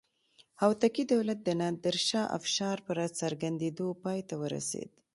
هوتکي دولت د نادر شاه افشار په راڅرګندېدو پای ته ورسېد.